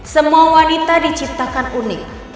semua wanita diciptakan unik